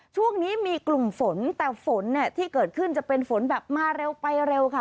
ช่วงนี้มีกลุ่มฝนแต่ฝนเนี่ยที่เกิดขึ้นจะเป็นฝนแบบมาเร็วไปเร็วค่ะ